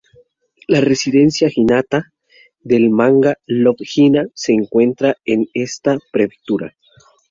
La residencia Hinata del manga Love Hina, se encuentra en esta prefectura.